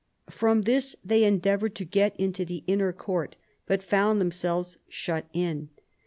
From this they endeavoured to get into the inner court, but found themselves shut in.